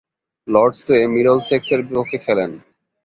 লর্ডসে মিডলসেক্সের বিপক্ষে খেলেন।